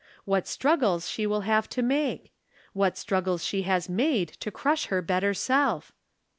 What struggles she will have to make ! What strug gles she has made to crush her better self